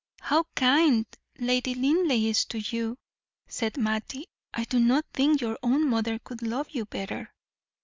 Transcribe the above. "How kind Lady Linleigh is to you," said Mattie. "I do not think your own mother could love you better."